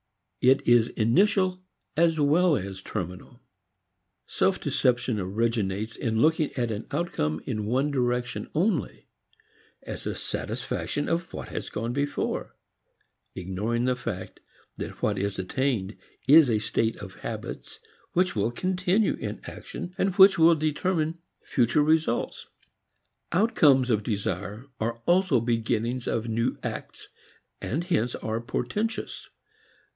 It is initial as well as terminal. Self deception originates in looking at an outcome in one direction only as a satisfaction of what has gone before, ignoring the fact that what is attained is a state of habits which will continue in action and which will determine future results. Outcomes of desire are also beginnings of new acts and hence are portentous.